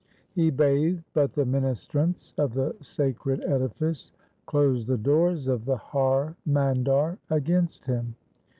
He bathed, but the ministrants 1 of the sacred edifice closed the doors of the Har Mandar against him.